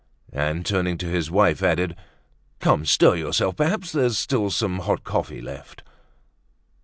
And turning to his wife, added: "Come, stir yourself! Perhaps there's still some hot coffee left."